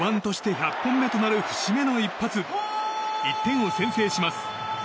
１点を先制します。